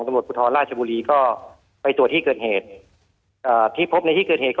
ตรวจบุธรรมราชบุรีก็ไปตรวจที่เกิดเหตุที่พบในที่เกิดเหตุ